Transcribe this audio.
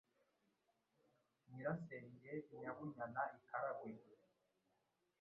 Nyirasenge Nyabunyana I Kalagwe